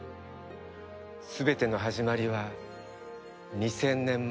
全ての始まりは２０００年前。